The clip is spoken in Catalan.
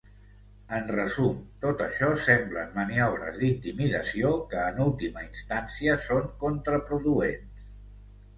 En resum, tot això semblen maniobres d’intimidació que en última instància són contraproduents.